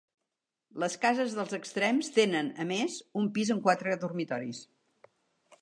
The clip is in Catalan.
Les cases dels extrems tenen, a més, un pis amb quatre dormitoris.